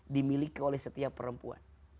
dimiliki oleh setiap perempuan